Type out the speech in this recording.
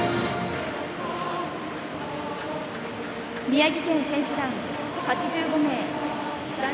宮城県選手団、８５名。